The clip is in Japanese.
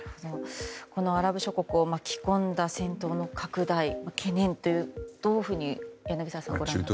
このアラブ諸国を巻き込んだ戦闘の拡大懸念という、どういうふうに柳澤さんは思っていますか。